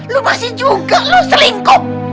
lu masih juga lu selingkuh